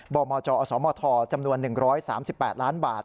บมจอสมทจำนวน๑๓๘ล้านบาท